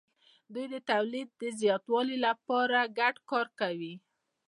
دوی د تولید د زیاتوالي لپاره ګډ کار کوي.